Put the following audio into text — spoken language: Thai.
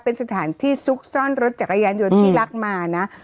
เป็นสถานที่ซุกซ่อนรถจักรยานยนต์ที่รักมานะ